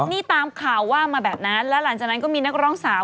นี่ตามข่าวว่ามาแบบนั้นแล้วหลังจากนั้นก็มีนักร้องสาว